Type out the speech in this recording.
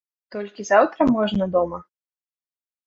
Толькі заўтра можна дома?